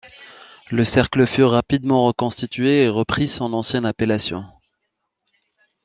Le cercle fur rapidement reconstitué et reprit son ancienne appellation.